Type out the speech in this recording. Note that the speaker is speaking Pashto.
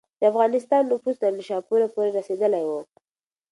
د افغانستان نفوذ تر نیشاپوره پورې رسېدلی و.